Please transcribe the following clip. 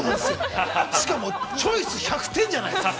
◆しかもチョイス、１００点じゃないですか。